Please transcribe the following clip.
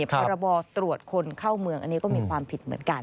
พรบตรวจคนเข้าเมืองอันนี้ก็มีความผิดเหมือนกัน